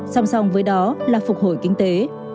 song song với đó là phục hồi kinh tế